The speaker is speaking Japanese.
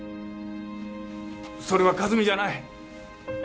それは和美じゃない！